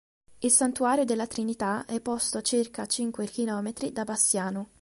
Il Santuario della Trinita è posto a circa cinque chilometri da Bassiano.